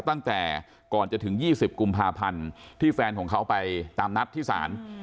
ตั้งแต่ก่อนจะถึง๒๐กุมภาพันธ์ที่แฟนของเขาไปตามนัดที่ศาล